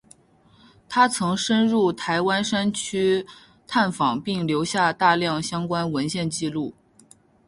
他曾深入台湾山区探访并留下大量相关文献纪录。